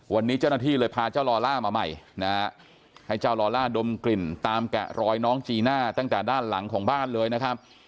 วันนี้เจ้าหน้าที่เลยพาเจ้าลอล่ามาใหม่นะฮะให้เจ้าลอล่าดมกลิ่นตามแกะรอยน้องจีน่าตั้งแต่ด้านหลังของบ้านเลยนะครับ